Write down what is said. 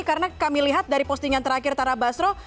karena kami lihat dari postingan terakhir tara basro